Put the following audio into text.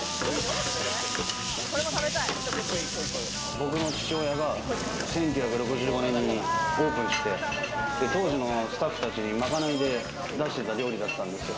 僕の父親が１９６５年にオープンして、当時のスタッフたちに賄いで出していた料理だったんです。